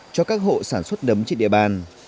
cho các hộ sản xuất nấm trên địa bàn